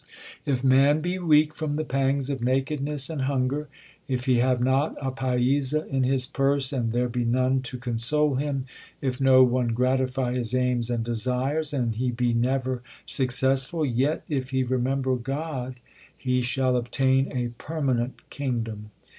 If man be weak from the pangs of nakedness and hunger, If he have not a paisa in his purse, and there be none to console him, If no one gratify his aims and desires, and he be never successful, Yet, if he remember God, he shall obtain a permanent kingdom.